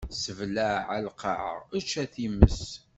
Ssebleɛ a lqaɛa, ečč a times!